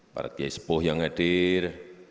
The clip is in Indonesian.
para gespoh yang hadir